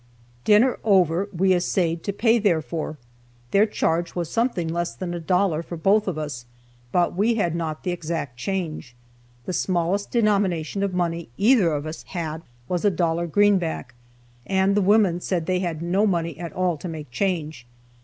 Dinner over, we essayed to pay therefor. Their charge was something less than a dollar for both of us, but we had not the exact change. The smallest denomination of money either of us had was a dollar greenback, and the women said that they had no money at all to make change.